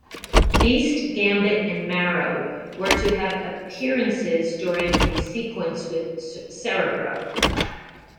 Beast, Gambit and Marrow were to have appearances during a sequence with Cerebro.